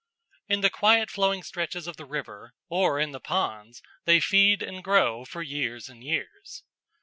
In the quiet flowing stretches of the river or in the ponds they feed and grow for years and years.